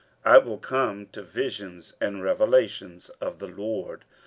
I will come to visions and revelations of the Lord.